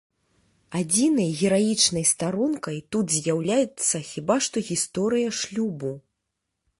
Адзінай гераічнай старонкай тут з'яўляецца хіба што гісторыя шлюбу.